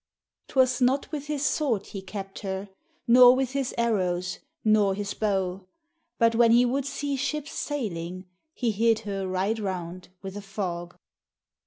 'Twas not with his sword he kept her, Nor with his arrows, nor his bow; But when he would see ships sailing, He hid her right round with a fog.